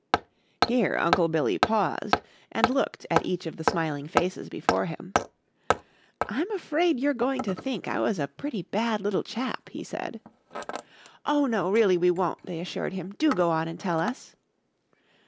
Here Uncle Billy paused and looked at each of the smiling faces before him. "I'm afraid you're going to think I was a pretty bad little chap," he said. "Oh, no, really we won't," they assured him, "do go on and tell us."